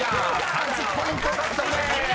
３０ポイント獲得です］